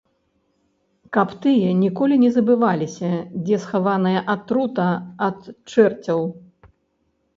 Каб тыя ніколі не забываліся, дзе схаваная атрута ад чэрцяў.